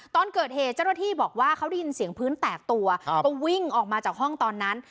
ตอนเกิดเหตุเจ้าหน้าที่บอกว่าเขาได้ยินเสียงพื้นแตกตัวก็วิ่งออกมาจากห้องตอนนั้น